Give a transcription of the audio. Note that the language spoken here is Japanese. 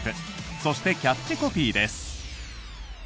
そして、キャッチコピーです。